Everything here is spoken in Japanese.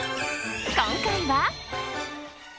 今回は。